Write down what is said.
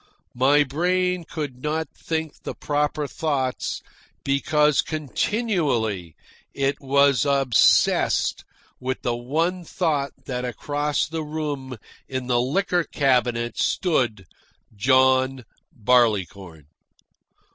My brain could not think the proper thoughts because continually it was obsessed with the one thought that across the room in the liquor cabinet stood John Barleycorn.